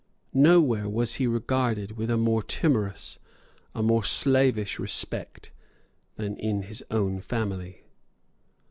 Nowhere was he regarded with a more timorous, a more slavish, respect than in his own family.